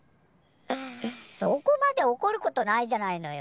そこまでおこることないじゃないのよ。